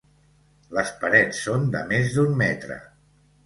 Les parets són de més d'un metre.